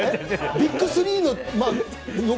ビッグ３の。